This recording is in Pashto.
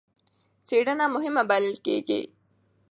څېړنه مهمه بلل کېږي.